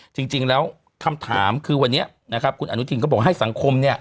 จริงแล้วคำถามคือวันนี้นะครับคุณอนุทินก็บอกให้สังคมเนี่ย